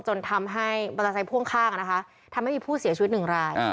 จนทำให้มอเตอร์ไซค์พ่วงข้างนะคะทำให้มีผู้เสียชีวิตหนึ่งราย